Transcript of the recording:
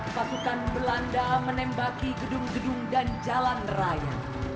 pasukan belanda menembaki gedung gedung dan jalan raya